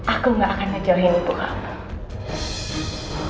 aku gak akan mengejarin ibu kamu